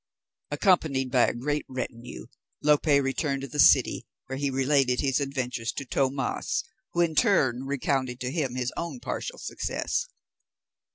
Accompanied by a great retinue, Lope returned to the city, where he related his adventure to Tomas, who in turn recounted to him his own partial success.